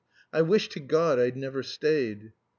I wish to God I'd never stayed."